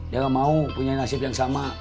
dia gak mau punya nasib yang sama